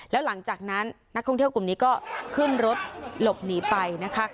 แล้วหลังจากนั้นนักท่องเที่ยวกลุ่มนี้ก็ขึ้นรถหลบหนีไปนะคะ